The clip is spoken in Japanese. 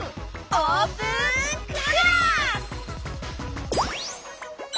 「オープンクラス！」。